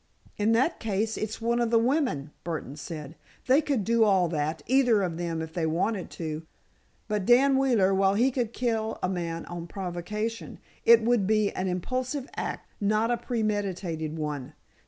"In that case, it's one of the women," Burdon said. "They could do all that, either of them, if they wanted to; but Dan Wheeler, while he could kill a man on provocation—it would be an impulsive act—not a premeditated one.